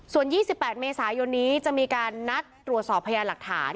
ส่วน๒๘เมษายนนี้จะมีการนัดตรวจสอบพยานหลักฐาน